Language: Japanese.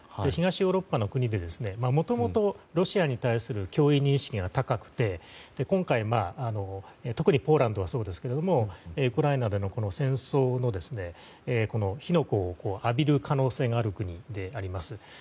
東ヨーロッパの国でもともと、ロシアに対する脅威認識が高くて今回は特にポーランドもそうですけどウクライナでの戦争の火の粉を浴びる可能性がある国であります。